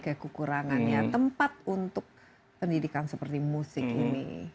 masih banyak ya kekurangannya tempat untuk pendidikan seperti musik ini